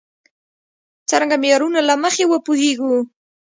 څرنګه معیارونو له مخې وپوهېږو.